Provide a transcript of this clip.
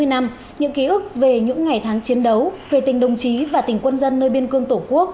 sáu mươi năm những ký ức về những ngày tháng chiến đấu về tình đồng chí và tình quân dân nơi biên cương tổ quốc